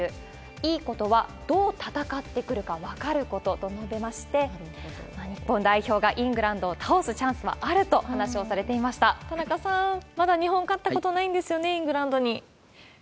いいことは、どう戦ってくるか分かることと述べまして、日本代表がイングランドを倒すチャンスはあるとお話をされていま田中さん、まだ日本、勝ったことないんですよね、イングランドに。